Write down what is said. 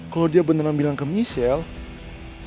kalau dia beneran bilang ke michelle